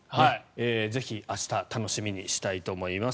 ぜひ、明日楽しみにしたいと思います。